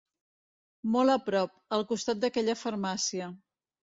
Molt a prop. Al costat d'aquella farmàcia.